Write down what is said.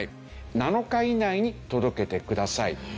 ７日以内に届けてください。